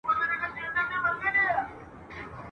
چي مي خپل وي جوماتونه خپل ملا خپل یې وعظونه ..